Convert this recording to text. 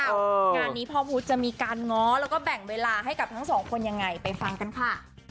งานนี้พ่อพุทธจะมีการง้อแล้วก็แบ่งเวลาให้กับทั้งสองคนยังไงไปฟังกันค่ะ